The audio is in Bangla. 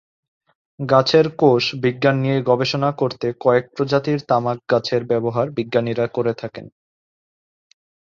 গাছের কোষ বিজ্ঞান নিয়ে গবেষণা করতে কয়েক প্রজাতির তামাক গাছের ব্যবহার বিজ্ঞানীরা করে থাকেন।